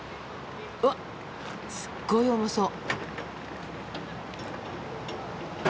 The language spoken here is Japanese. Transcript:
うわっすっごい重そう。